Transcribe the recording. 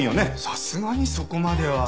さすがにそこまでは。